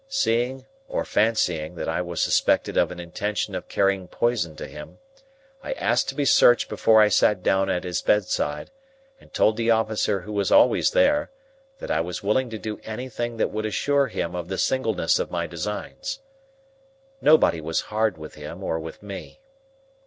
Seeing, or fancying, that I was suspected of an intention of carrying poison to him, I asked to be searched before I sat down at his bedside, and told the officer who was always there, that I was willing to do anything that would assure him of the singleness of my designs. Nobody was hard with him or with me.